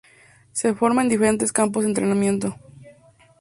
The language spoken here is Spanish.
Se forma en diferentes campos de entrenamiento.